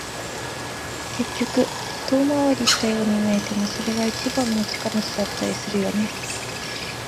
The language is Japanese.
結局、遠回りしたように見えても、それが一番の近道だったりするよね。